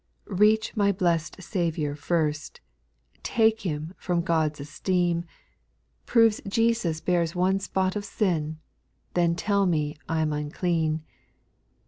6 Reach my blest Saviour first. Take Him from God's esteem, SPIRITUAL SONGS. 268 Proves Jesus bears one spot of sin, Then tell me I 'in unclean.